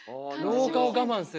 老化を我慢する。